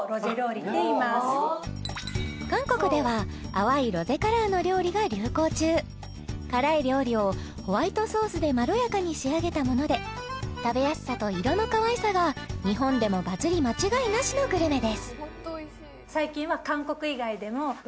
韓国では淡いロゼカラーの料理が流行中辛い料理をホワイトソースでまろやかに仕上げたもので食べやすさと色のかわいさが日本でもバズり間違いなしのグルメです